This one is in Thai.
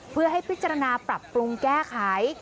เพื่อให้พิจารณาปรับปรุงแก้ไข